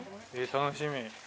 楽しみ。